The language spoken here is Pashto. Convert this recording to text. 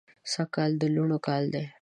سږ کال د لوڼو کال دی